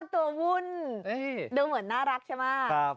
เต้าตัววุ่นดูเหมือนน่ารักใช่มั้ย